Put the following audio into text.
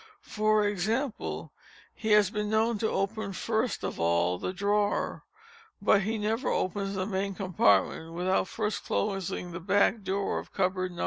For example, he has been known to open, first of all, the drawer—but he never opens the main compartment without first closing the back door of cupboard No.